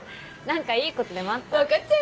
何かいいことでもあった？